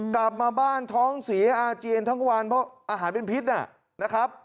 กลับมาบ้านท้องเสียอาเจียนทั้งวันเพราะอาหารเป็นพิษนะครับ